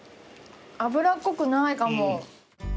油っこくないかも。